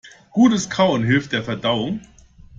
Gutes Kauen hilft der Verdauung.